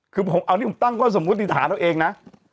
คือผมเอานี่ผมตั้งข้อสมมุติฐานเอาเองนะ